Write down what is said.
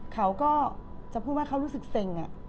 เขาก็จะพูดว่าเขารู้สึกเซ็ง